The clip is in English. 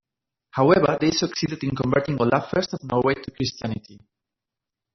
However, they succeeded in converting Olaf I of Norway to Christianity.